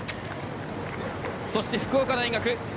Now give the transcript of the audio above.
そして、福岡大学。